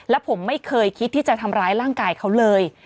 และผมไม่เคยคิดที่จะทำร้ายร่างกายเขาเลย